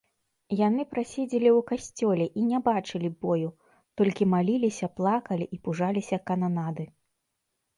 Яны праседзелі ў касцёле і не бачылі бою, толькі маліліся, плакалі і пужаліся кананады.